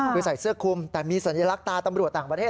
คือใส่เสื้อคุมแต่มีสัญลักษณ์ตาตำรวจต่างประเทศ